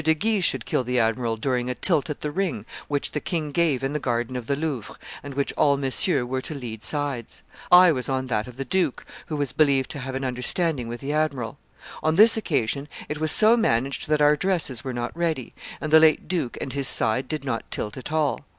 de Guise should kill the admiral during a tilt at the ring which the king gave in the garden of the Louvre, and in which all Messieurs were to lead sides. I was on that of the duke, who was believed to have an understanding with the admiral. On this occasion, it was so managed that our dresses were not ready, and the late duke and his side did not tilt at all.